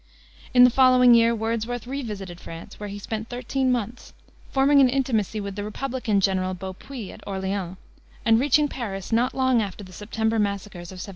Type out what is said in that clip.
In the following year Wordsworth revisited France, where he spent thirteen months, forming an intimacy with the republican general, Beaupuis, at Orleans, and reaching Paris not long after the September massacres of 1792.